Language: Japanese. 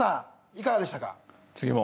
いかがでしたか？